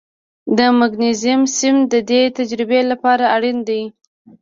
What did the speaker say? د مګنیزیم سیم د دې تجربې لپاره اړین دی.